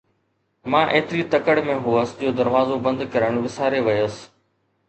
مان ايتري تڪڙ ۾ هوس جو دروازو بند ڪرڻ وساري ويس